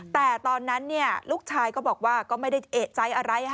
แต่ตอนนั้นลูกชายก็บอกว่าก็ไม่ได้เอกใจอะไร